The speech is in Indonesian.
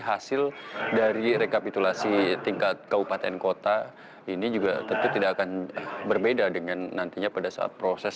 hasil dari rekapitulasi tingkat kabupaten kota ini juga tentu tidak akan berbeda dengan nantinya pada saat proses